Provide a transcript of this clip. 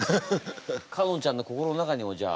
かのんちゃんの心の中にもじゃあ。